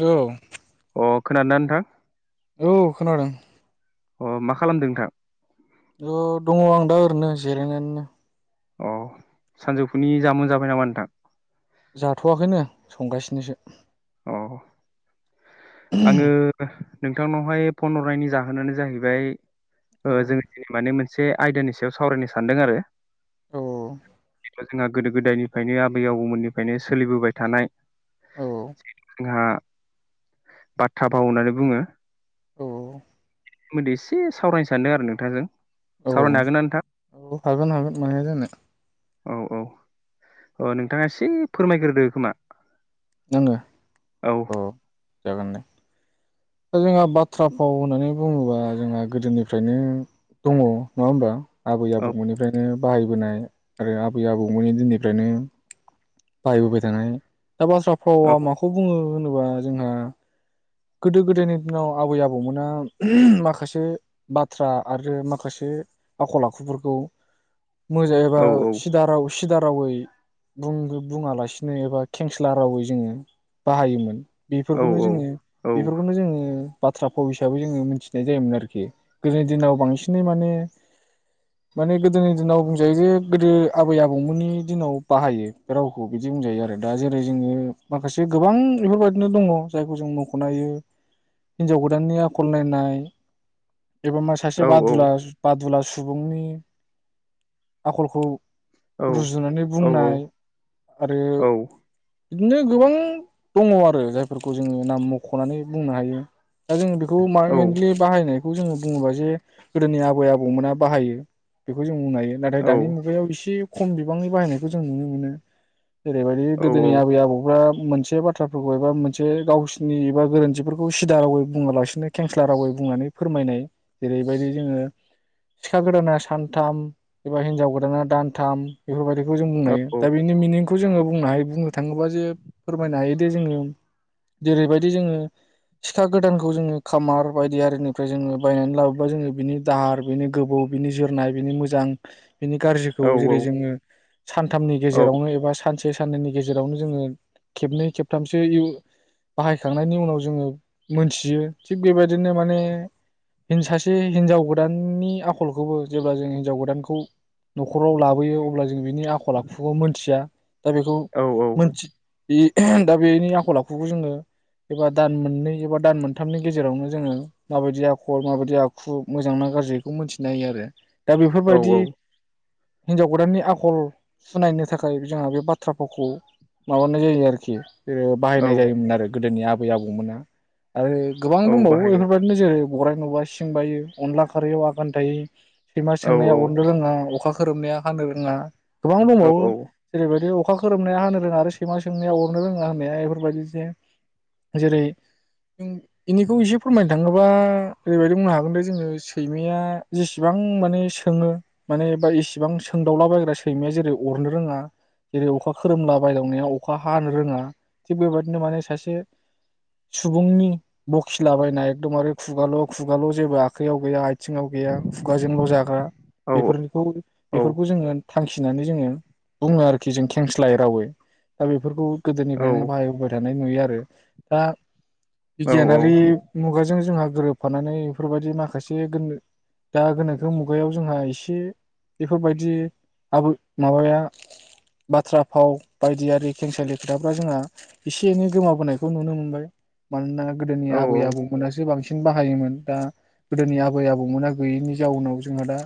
औ अ खोनादोंना नोंथांङा? औ खोनादों अ मा खालामदों नोंथां? ज' दंङ आं दा ओरैनो जिरायनानैनो अ सानजौफुनि जामोन जाबाय नामा नोंथां? जाथ'वाखैनो संगासिनोसो अ आंङो नोंथांनावहाय फन हारनायनि जाहोनानो जाहैबाय ओ औ जों दिनै माने मोनसे एसे आयदानि सायाव सावरायनो सानदों आरो औ [unintelligible] गोदो गोदायनिफ्रायनो आबै आबौमोननिफ्रायनो सोलिबोबाय थानाय औ आ बाथ्रा भाव होननानै बुंङो औ सोमोन्दै एसे सावरायनो सानदों आरो नोंथां जों सावरायनो हागोन ना नोंथां? औ हागोन हागोन मा हाया जानो औ औ अ नोंथांङा एसे फोरमायग्रोदो खोमा आंङो औ जागोन दे दा जोंहा बाथ्रा फाव होननानै बुंङोबा जोंहा गोदोनिफ्रायनो दंङ नंङा होमबा आबै औ आबौमोननिफ्रायनो बाहाय जाबोनाय आरो आबै आबौमोननि दिननिफ्रायनो बाहायबोबाय थानाय दा बाथ्रा फाववा औ माखौ बुंङो होनोबा जोंहा गोदो गोदायनि दिनाव आबै आबौमोना उमह माखासे बाथ्रा आरो माखासे आखल आखुफोरखौ मोजां एबा औ सिदा राव सिदा रावै बुङो बुंङालासिनो एबा खेंस्ला रावै जोंङो बाहायोमोन। औ बेफोरखौनो जोंङो। औ बेफोरखौनो जोंङो बाथ्रा फाव हिसाबै जोंङो मिथिनाय जायोमोन आरोखि गोदोनि दिनाव बांसिनै माने माने गोदोनि दिनाव बुंजायो जे गोदो आबै आबौमोननि दिनाव बाहायो रावखौ बिदि बुंजायो आरो दा जेरै जोंङो माखासे गोबां बेफोरबायदिनो दंङ जायखौ जों न'खर नायो हिनजाव गोदाननि आखल नायनाय एबा मा सासे औ बादुला बादुला सुबुंनि आखलखौ रुजुनानै औ औ औ बुंनाय आरो औ बिदिनो गोबां दंङ आरो जायफोरखौ जोंङो नाम मख ख'नानै बुंनो हायो दा जों बे मेनलि बाहायनाय। बेखौ जोंङो बुङोबा जे गोदोनि आबै आबौमोना बाहायो बेखौ जों बुंनो हायो नाथाय औ दानि मुगायाव एसे। खम बिबांनि बाहायनायखौ जों नुनो मोनो। जेरैबायदि औ गोदोनि आबै आबौफ्रा मोनसे बाथ्राफोरखौ एबा मोनसे गावसि नि एबा गोरोन्थिफोरखौ सिदा रावै बुङालासिनो खेंस्ला रावै बुंनानै फोरमायनाय जेरैबायदि जोङो सिखा गोदाना सानथाम एबा हिनजाव गोदाना दानथाम बेफोरबायदि। जों बुंनो हायो दा बेनि मिनिंखौ बेखौ जोङो बुंनो हायो बुंनो थाङोबा जे फोरमायनो हायो दे जोङो। जेरैबायदि जोङो सिखा गोदानखौ जोङो खामार बायदि आरिनिफ्राय जोङो बायनानै लाबोबा जोङो बिनि दाहार बिनि गोबौ बिनि जोरनाय बिनि मोजां बेनि औ गाज्रिखौ जेरै जोङो सानथामनि औ गेजेरावनो एबा सानसे से साननैनि गेजेरावनो जोङो खेबनै खेबथामसो बाहायखांनायनि उनाव जोङो मोनथियो थिग बेबायदिनो माने सासे हिनजाव गोदाननि आखलखौबो जेब्ला जों हिनजाव गोदानखौ न'खराव लाबोयो अब्ला जों बिनि आखल आखुखौ मोनथिया। दा बेखौ मोनथि दा बेनि आखल आखुखौ जोङो। एबा दान मोननै एबा दान मोनथामनि गेजेरावनो जोङो माबायदि आखल माबायदि आखु मोजांना गाज्रिखौ बेखौ मोनथिनो हायो आरो। दा औ बेफोरबायदि‌ हिनजाव गोदाननि आखल सुनायनो थाखाय जोंहा बे बाथ्राफावखौ माबानाय जायो आरोखि। बि औ बाहायनाय जायोमोन आरो। गोदोनि आबै आबौमोनहा। आरो गोबां औ दंबावो बाहायो बेफोर बायदिनो जेरै गराइ नुबा सिं बायो अनला खारैयाव आगान थायो। सैमा औ सोंनाया अरनो रोङा अखा खोरोमनाया हानो रोङा गोबां औ दंबावो औ जेरैबायदि अखा खोरोमनाया होनो रोङा आरो सैमा सोंनाया अरनो रोङा होना बेफोरबायदि जे जेरै जों बेनिखौ एसे फोरमायनो थाङोबा ओरैबायदि बुंनो हागौ बेखौनो जोङो सैमाया जेसेबां माने सोङो माने बा इसेबां सोंदावलाबायग्रा सैमाया जेरै अरनो रोङा जेरै अखा खोरोमला बायदावनाया अखा हानो रोङा थिग बेबादिनो माने सासे सुबुंनि बखिलाबायना एखदमबारे खुगाल' खुगाल' जेबो आखाइयाव गैया आ आथिङाव गैया खुगाजोंल' जाग्रा औ बेफोरखौ औ बेफोरखौ जोङो थांखिनानै जोङो बुङो आरोखि खि जों खेंस्लायै रावै दा बेफोरखौ गोदोनिफ्रायनो बाहायबोबाय थानाय नुयो आरो दा बिगियानारि मुगाजों जोंहा गोरोबफानानै बेफोरबायदि माखासे गोनो दा गोनोखो मुगायाव जोंहा एसे बेफोरबायदि आ माबाया बाथ्रा फाव बायदियारि खेंसालि खोथाफोरा जोंहा एसे एनै गोमाबोनाय खौ नुनो मोनबाय मानोना गोदोनि औ आबै आबौमोनासो बांसिन बांसिन बाहायोमोन, दा गोदोनि आबै आबौमोना गैयैनि जाउनाव जोंहा दा,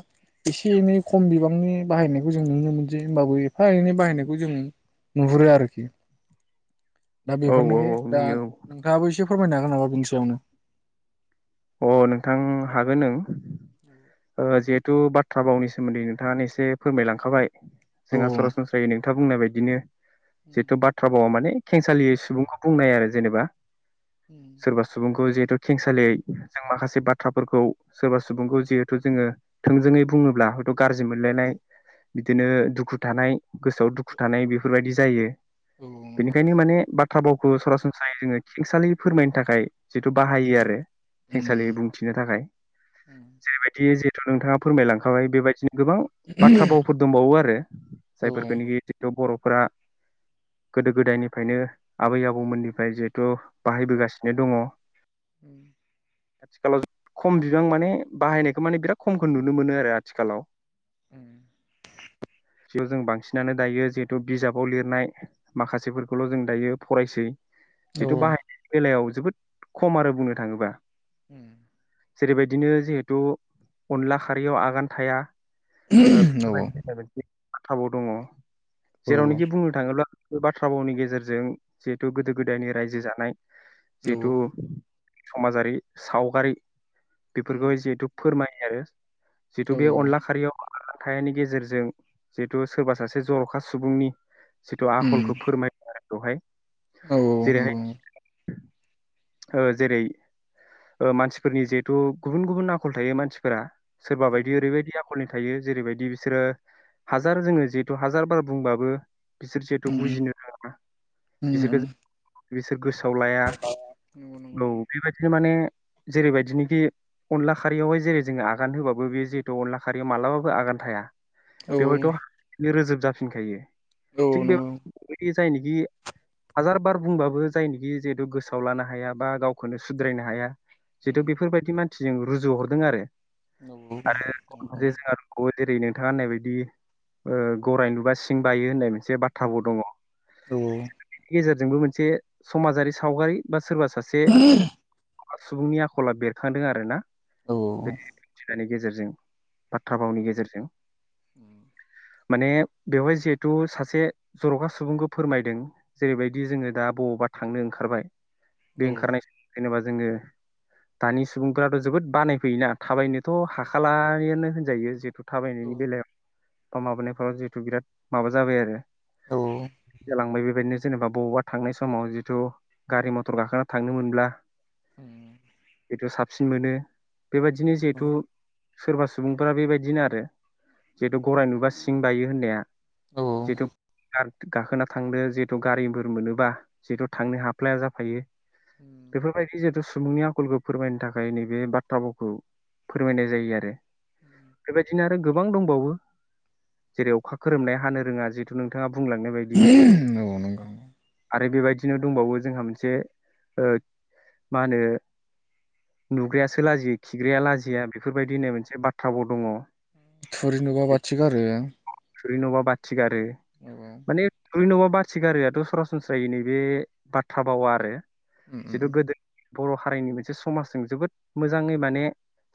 एसे एनै खम बिबांनि बाहायनायखौ जों नुनो मोन मोनसै जे होमबाबो एफा एनै बाहायनायखौ जों नुहुरो आरोखि। दा औ औ बेफोरनाखि दा नुयो नोंथाङाबो एसे फोरमायनो हागोन नामा? बिनि सायावनो। औ अ नोंथां हागोन नों ओ जिहेथु बाथ्रा बावनि सोमोन्दै नोंथाङानो एसे फोरमायलांखाबाय। जोंहा औ सरा सनस्रायै खोथा बुंनाय बायदिनो। औ जितु बाथ्रा भाव माने खेंसालि सुबुंखौ बुंनाय आरो जेनेबा। सोरबा सुबुंखौ जिहेथु खेंसालियै जों माखासे बाथ्राफोरखौ, सोरबा सुबुंखौ जिहेथु जोङो थोंजोङै बुङोब्ला हयथ'- गाज्रि मोनलायनाय बिदिनो दुखु थानाय गोसोआव दुखु थानाय बेफोरबायदि जायो। बेनिखायनो माने बा बाथ्रा भावखौ सरासनस्रायै जोङो खेंसालि फोरमायनो थाखाय। जिथु बाहायो आरो। खेंसालि बुंथिनो थाखाय जेरैबायदि जिहेथु नोंथाङा फोरमायलांखाबाय बेबायदिनो। गोबां बाथ्रा भावफोर दंबावो आरो जायफोरखौ नाखि बर' फोरा गोदो गोदायनिफ्रायनो आबै आबौमोननिफ्राय जिहेथु बाहायबोगासिनो दङ। आथिखालाव खम बिबां माने बाहायनायखौ माने बिराद खमखौ नुनो मोनो आरो आथिखालाव। ओम बियाव जों बांसिनानो दायो जिहेथु बिजाबाव लिरनाय माखासेफोरखौल' जों दायो फरायसै जिथु बाहाय बेलायाव जोबोद खम आरो बुंनो। थाङोबा ओम जेरैबायदिनो जिहेथु अनला खारैयाव आगान थाया। नंगौ [unintelligible] थाबाव दङ। जेरावनोखि बुंनो थाङोब्ला बे बाथ्रा भावनि गेजेरजों जिहेथु गोदो गोदायनि रायजो जानाय। जेथु समाजारि सावगारि बेफोरखौ जिहेतु फोरमाय आरो जिथु बे अनला खारैयाव [unintelligible] गेजेरजों जिहेथु सोरबा सासे जर'खा सुबुंनि। जिथु आखलखौ फोरमायदों आरो। दहाय। औ औ नंगौ। ओ जेरै ओ मानसिफोरनि जिहेथु गुबुन गुबुन आखल थायो मानसिफोरा सोरबा बायदि ओरैबायदि आखलनि थायो जेरैबायदि बिसोरो हाजार जोङो जिहेतु हाजार बार बुंबाबो। बिसोर जिहेथु बुजिनो नाङा [unintelligible] बिसोरखौ बिसोर गोसो [unintelligible] औ [unintelligible] बि माने जेरैबायदिनोखि अनला खारियावहाय जेरै जोङो आगान होबाबो बेयो जिहेतु अनला खारियाव मालाबाबो आगान थाया। बेवहायथ' रोजोब जाफिनखायो। थिग बे जायनिखि हाजार बार बुंबाबो जायनिखि जिहेतु गोसोआव लानो हाया। बा गावखौनो सुद्रायनो हाया। जितु बेफोरबायदि मान जों रुजुहरदों आरो। [unintelligible] जेरै नोंथाङा होननाय बायदि ओ गराय नुबा सिं बायो होननाय से बाथ्राबो दङ जों बेनि गेजेरजों जोंबो मोनसे समाजारि सावगारि बा सोरबा। सासे [inaudible] सुबुंनि आखला बेरखांदों आरो ना। औ औ। बे नि गेजेरजों बाथ्रा भावनि गेजेरजों उम माने बेवहाय जिहेथु सासे जर'खा सुबुंखौ फोरमायदों जेरैबायदि जोङो दा बबावबा थांनो ओंखारबाय। बे ओंखारनाय [unintelligible] जोङो दानि सुबुंफोराथ' जोबोद बानायफैयोना थाबायनो। थ' हाखालायानो। होनजायो जिहेथु थाबायनायनि बेलायाव बा माबानायफोराव जिहेथु बिराद माबा जाबाय आरो लांबाय बेबायदिनो जेनेबा बबावबा थांनाय समाव जिथु गारि म टर गाखोना थांनो मोनब्ला उम बेखौ साबसिन मोनो बेबायदिनो जिहेथु सोरबा सुबुंफोरा बेबायदिनो आरो जिहेतु गराय नुबा सिं बायो होननाया जिहेथु गाखोना थांनो जिहेथु गारिफोर मोनोबा जिहेथु थांनो हाफ्लाया जा हायो बेफोरबायदि जिहेतु सुबुंनि आखलखौ फोरमायनो थाखाय नैबे बाथ्रा भावखौ फोरमायनाय जायो आरो बेबादिनो आरो गोबां दंबावो जेरै अखा खोरोमनाया हानो रोङा जिहेथु नोंथाङा बुंलांनाय बायदि औ नोंगौ नोंगौ आरो बेबायदिनो दंबावो जोंहा मोनसे से मा होनो नुग्रायासो लाजियो खिग्राया लाजिया बेफोरबायदि होननाय मोनसे बाथ्राबो दङ थुरि नुबा बाथि गारो थुरि नुबा बाथि गारो औ औ माने थै नबा बाथि गारोआथ सरासनस्रायै नैबे बाथौ [inaudible] उम उम [unintelligible] बर हारिनि मोनसे समाजजों जोबोद मोजाङै माने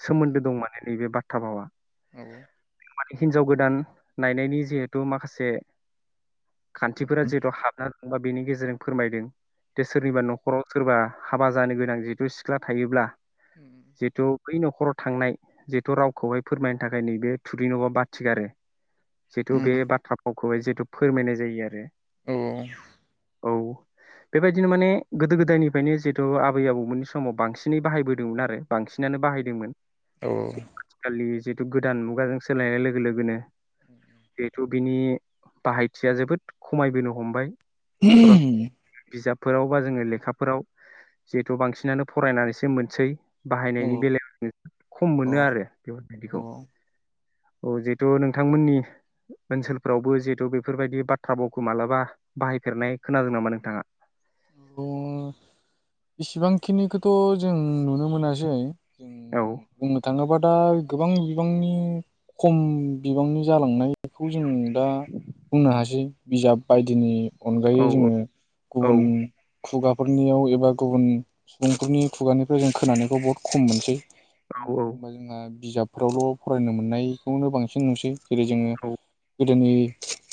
सोमोन्दो दं माने नैबे बाथ [inaudible] औ माने हिनजाव गोदान नायनायनि जिहेथु माखासे खान्थिफोरा औ औ जिहेथु हाबना बा बेनि गेजेरजों फोरमायदों दो सोरनिबा नखराव सोरबा हाबा जानो गोनां जिहेथु सिख्ला थायोब्ला जितु बै नखराव थांनाय जिहेथु रावखौहाय फोरमायनो थाखाय नैबे थुुरि नुबा बाथि गारो [unintelligible] खौहाय जिहेतु फोरमायनाय जायो आरो औ औ बेबायदिनो माने गोदो गोदायनिफ्रायनो जिहेतु आबै आबौमोननि समाव बांसिनै बाहायबोदोंमोन आरो बांसिनानो बाहायदोंमोन। औ आथिखालनि जिहेथु गोदान मुगाजों सोलायनाय लोगो लोगोनो जेहुथु बिनि बाहायथिया जोबोद खमायबोनो हमबाय। सरासनस्रा [unintelligible] बिजाबफोराव बा जोङो लेखाफोराव जिहेथु बांसिनानो फरायनानैसो मोनसै। बाहायनायनि बेलायाव ज खम औ मोनो आरो बेफोरबायदिखौ औ औ जिहेतु नोंथांमोननि ओनसोलफ्रावबो जिहेथु बेफोरबायदि बाथ्रा भावखौ मालाबा बाहायफेरनाय खोनादों नामा नोंथाङा? इसिबांखिनिखोथ जों नुनो मोनासै। जों औ बुंनो थाङोबा। दा गोबां बिबांनि खम बिबांनि जालांनायखौ जों दा बुंनो हासै बिजाब बायदिनि औ अनगायै जोङो औ गुबुन खुगाफोरनियाव एबा गुबुन सुबुंफोरनि खुगानिफ्राय जों खोनानायखौ बहुत खम मोनसै। औ [unintelligible] बिजाबफोरावल फरायनो मोननायखौनो बांसिन नुसै। जेरै जोङो गोदोनि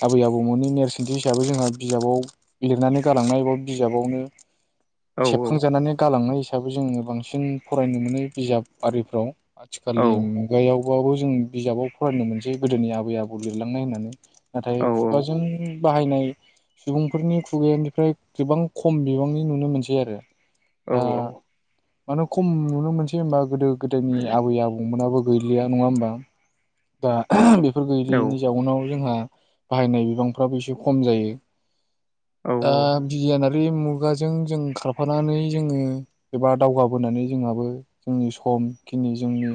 आबै आबौमोननि नेरसोनथि हिसाबै जोंहा बिजाबाव लिरनानै गालांनाय एबा बिजाबावनो। औ सेबखांजानानै गालांनाय हिस हिसाबै जोङो बांसिन फरायनो मोनो बिजाब आरिफ्राव। औ आथिखालनि मुगायाव खुवबो जों बिजाबाव फरायनो मोनसै गोदोनि आबै आबौ लिरलांनाय होननानै औ नाथाय खुगाजों बाहायनाय सुबुंफोरनि खुगानिफ्राय गोबां खम बिबांनि नुनो मोनसै। बिदि आरो दा मानो खम नुनो मोनसै होनबा गोदो गोदोनि आबै आबौमोनाबो। गैलिया नङा होमबा दा फोर औ गैयिनि जाउनाव जोंहा बाहायनाय बिबांफ्राबो एसे खम जायो। औ ओ बि नारि नि मुगाजों जों खा खारफानानै जोङो एबा दावगाबोनानै जोंहाबो जोंनि समखिनि जोंनि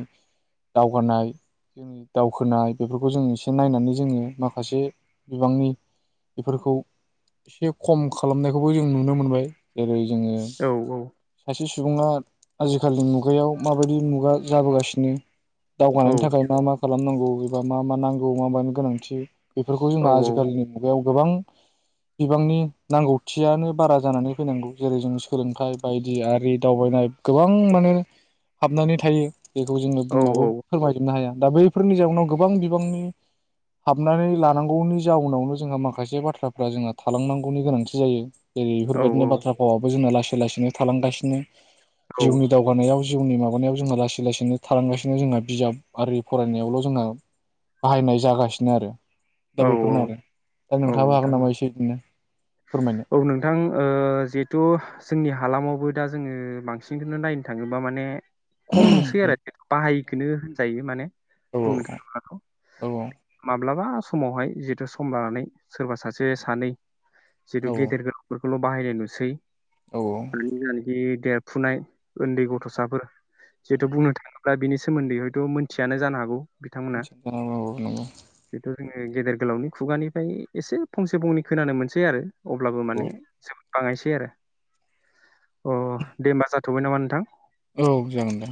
दावगानाय जोंनि दावखोनाय बेफोरखौ जों एसे नायनानै जोङो माखासे बिबांनि बेफोरखौ एसे खम खालामनायखौबो जों नुनो मोनबाय जेरै- जोङो खायसे सु सुबुङा आजिखालिनि मुगायाव माबायदि मुगा जाबोगासिनो दावगानायनि थाखाय मा-मा खालामनांगौ एबा मा मा नांगौ मा मानि गोनांथि बेफोरखौ जोंहा आजिखालिनि मुगायाव गोबां बिबांनि नांगौथियानो बारा जानानै फैनांगौ। जेरै जों सोलोंथाइ बायदि आरि दावबायनाय गोबां माने हाबनानै थायो। बेखौ जोंङो बुंबाबो फोरमायजोबनो हाया। दा बैफोरनि जाउनाव गोबां बिबांनि हाबनानै लानांगौनि जाउनावनो जोंहा माखासे बाथ्राफ्रा जोंहा थालांनांगौनि गोनांथि जायो। जेरै बेफोरबायदिनो बाथ आबो जोंना लासै लासैनो थालांगासिनो। जिउनि दावगानायाव जिउनि माबानायाव जोंहा लासै लासैनो थालांगासिनो जोंहा बिजाब आरि फरायनायावल' जोंहा बाहायनाय जागासिनो आरो। दा औ औ बेफोरनो आरो। दा औ नोंथाङाबो हागोन नोंथां औ नामा एसे बिदिनो फोरमायनो? थ' जोंनि हालामावबो दा जोङो बांसिनखौनो नायनो थाङोब्ला माने खमनोसै आरो बाहायैखोनो होनजायो माने औ औ बुंनो थाङोब्लाथ' औ औ माब्लाबा समावहाय जिहेतु सम लानानै सोरबा सासे सानै जिथु औ गेदेर गोलावफोर खौल' बाहायनाय नुसै औ औ [unintelligible] देरफुनाय उन्दै गथ'साफोर जिहेतु बुंनो थाङोब्ला बिनि स सोमोन्दै हयथ' मिथियानो जानो हागौ। बिथांमोना औ-औ नांगौ‌। बेथ' जोङो गेदेर गोलावनि खुगानिफ्राय एसे फंसे फंनै खोनानो मोनसै आरो अब्लाबो औ माने बाङायसै आरो अ दे होमबा जाथ'बाय नामा नोंथां। औ जागोन दे